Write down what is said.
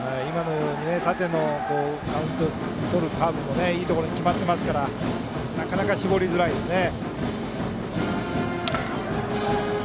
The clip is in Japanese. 縦のカウントをとるカーブもいいところに決まっていますからなかなか絞りづらいですね。